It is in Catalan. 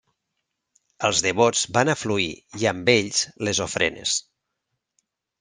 Els devots van afluir i amb ells les ofrenes.